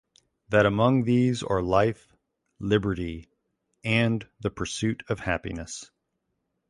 that among these are Life, Liberty and the pursuit of Happiness.